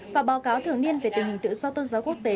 và báo cáo thường niên về tình hình tự do tôn giáo quốc tế